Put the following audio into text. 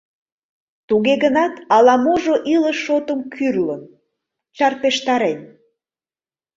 Туге гынат, ала-можо илыш шотым кӱрлын, чарпештарен.